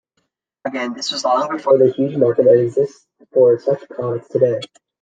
Again, this was long before the huge market that exists for such products today.